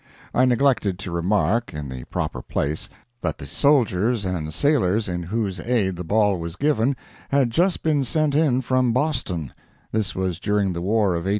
I neglected to remark, in the proper place, that the soldiers and sailors in whose aid the ball was given had just been sent in from Boston—this was during the war of 1812.